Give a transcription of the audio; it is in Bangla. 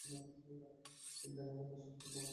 কিন্তু এখন সে বিপদমুক্ত আছে।